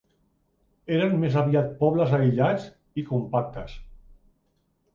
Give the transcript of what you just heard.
Eren més aviat pobles aïllats i compactes.